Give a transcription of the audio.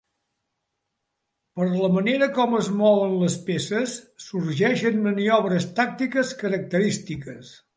Per la manera com es mouen les peces, sorgeixen maniobres tàctiques característiques.